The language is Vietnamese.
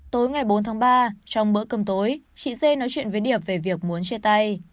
tối ngày bốn tháng ba trong bữa cơm tối chị dê nói chuyện với điệp về việc muốn chia tay